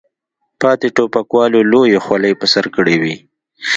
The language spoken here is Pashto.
پاتې ټوپکوالو لویې خولۍ په سر کړې وې.